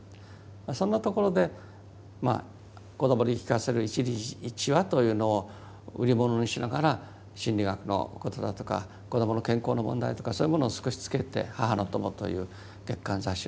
そんなところで子どもに聞かせる一日一話というのを売り物にしながら心理学のことだとか子どもの健康の問題とかそういうものを少し付けて「母の友」という月刊雑誌を作ったんです。